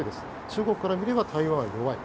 中国から見れば台湾は弱い。